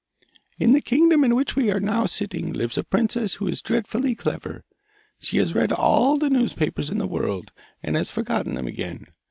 'In the kingdom in which we are now sitting lives a princess who is dreadfully clever. She has read all the newspapers in the world and has forgotten them again.